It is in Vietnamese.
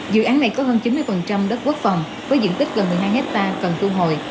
dự án này có hơn chín mươi đất quốc phòng với diện tích gần một mươi hai hectare cần thu hồi